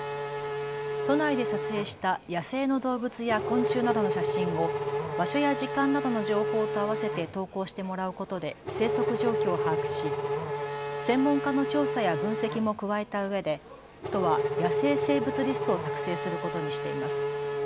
都内で撮影した野生の動物や昆虫などの写真を場所や時間などの情報と合わせて投稿してもらうことで生息状況を把握し専門家の調査や分析も加えたうえで都は野生生物リストを作成することにしています。